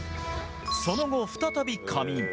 その後、再び仮眠。